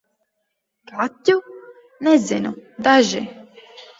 Kaķu? Nezinu - daži.